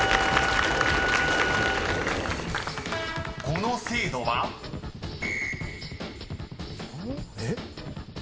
［この制度は？］えっ？